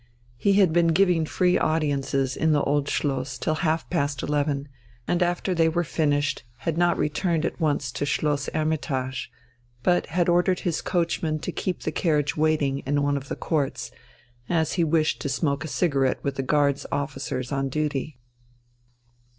He had been giving "free audiences" in the Old Schloss till half past eleven, and after they were finished had not returned at once to Schloss "Hermitage," but had ordered his coachman to keep the carriage waiting in one of the courts, as he wished to smoke a cigarette with the Guards officers on duty.